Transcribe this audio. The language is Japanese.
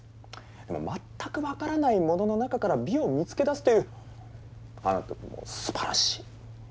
でも全く分からないものの中から美を見つけだすというあなたもうすばらしい。